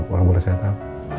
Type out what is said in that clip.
orang boleh saya tahu